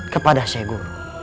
kepada syekh guru